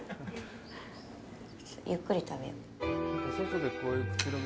ゆっくり食べよう。